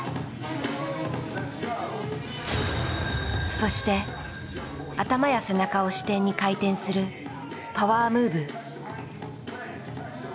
そして頭や背中を支点に回転するパワームーブ。